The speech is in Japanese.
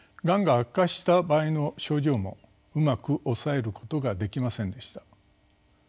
がんが悪化した場合の症状もうまく抑えることができませんでした。